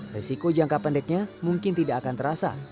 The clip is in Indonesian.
resiko jangka pendeknya mungkin tidak akan terasa